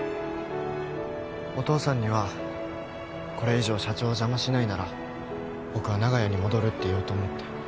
お父さんにはこれ以上社長を邪魔しないなら僕は長屋に戻るって言おうと思って。